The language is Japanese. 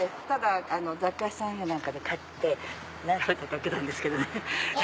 ただ雑貨屋さんなんかで買って並べただけなんですけどね。